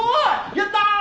やったー！